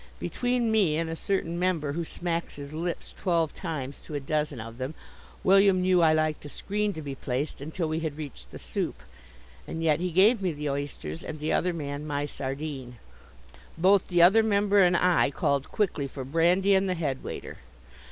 Between me and a certain member who smacks his lips twelve times to a dozen of them, William knew I liked a screen to be placed until we had reached the soup, and yet he gave me the oysters and the other man my sardine. Both the other member and I called quickly for brandy and the head waiter.